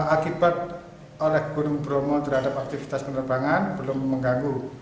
akibat oleh gunung bromo terhadap aktivitas penerbangan belum mengganggu